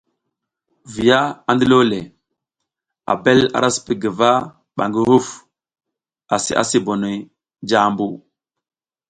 Viya a ndilole, Abel ara sii guva ɓa ngi huf asi asi bonoy jaʼmbu.